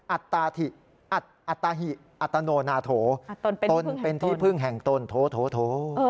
อัตตาหิยิมอัตตโนโนโตตนเป็นที่พึ่งแห่งตนโตโตโต